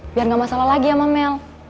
biar gak masalah lagi sama mel